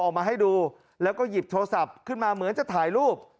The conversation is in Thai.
ออกมาให้ดูแล้วก็หยิบโทรศัพท์ขึ้นมาเหมือนจะถ่ายรูป